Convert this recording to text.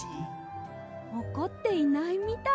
おこっていないみたいですね。